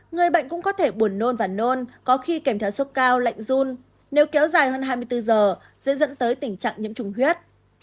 người bệnh cũng có thể buồn nôn và nôn có khi kèm theo sốt cao lạnh run nếu kéo dài hơn hai mươi bốn giờ sẽ dẫn tới tình trạng nhiễm trùng huyết